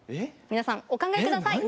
皆さんお考え下さい！